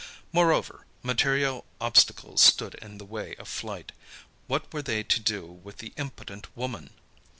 Moreover, material obstacles stood in the way of flight. What were they to do with the impotent woman?